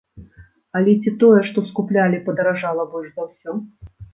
Але ці тое, што скуплялі, падаражала больш за ўсё?